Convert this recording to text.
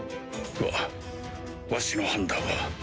わわしの判断は